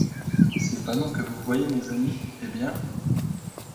Ces fanons que vous voyez, mes amis, eh bien !